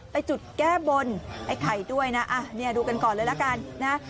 ไปจุดแก้บนไอ้ไข่ด้วยนะเนี่ยดูกันก่อนเลยละกันนะ